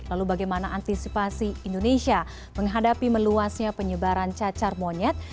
lalu bagaimana antisipasi indonesia menghadapi meluasnya penyebaran cacar monyet